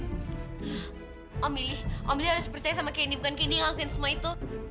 ya om billy om billy harus percaya sama candy bukan candy yang ngelakuin semua itu